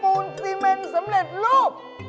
ปูนซีเมนเสมอเล็กรูป